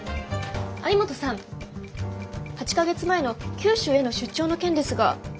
有本さん８か月前の九州への出張の件ですが。